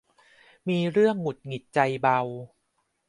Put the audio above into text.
มีเรื่องหงุดหงิดใจเบา